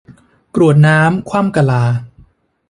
กรวดน้ำคว่ำกะลา